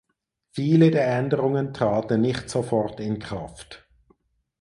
Viele der Änderungen traten nicht sofort in Kraft.